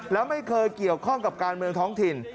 แล้วไม่เคยเกี่ยวข้องกับการเมืองท้องถิ่น